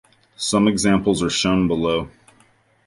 Some examples are shown below.